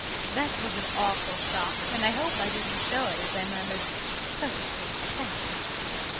That was an awful shock, and I hope I didn't show it as I murmured "Perfectly, thank you."